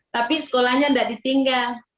tapi sekolahnya tidak ditinggal